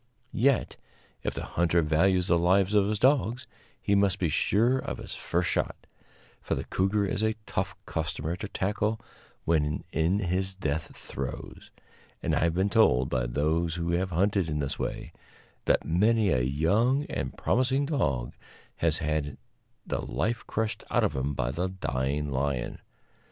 Yet, if the hunter values the lives of his dogs, he must be sure of his first shot, for the cougar is a tough customer to tackle when in his death throes; and I have been told, by those who have hunted in this way, that many a young and promising dog has had the life crushed out of him by the dying lion.